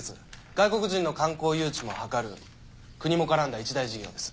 外国人の観光誘致も図る国も絡んだ一大事業です。